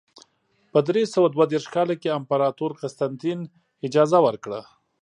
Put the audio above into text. په درې سوه دوه دېرش کال کې امپراتور قسطنطین اجازه ورکړه.